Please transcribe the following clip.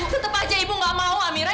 tetep aja ibu gak mau amira